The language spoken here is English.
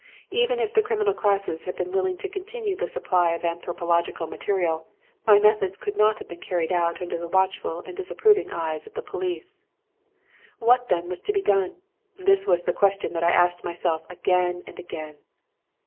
Even if the criminal classes had been willing to continue the supply of anthropological material, my methods could not have been carried out under the watchful and disapproving eyes of the police. "What then was to be done? This was the question that I asked myself again and again.